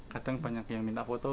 kadang banyak yang minta foto